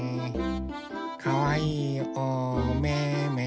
かわいいおめめ。